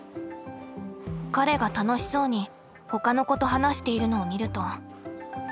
彼が楽しそうにほかの子と話しているのを見ると。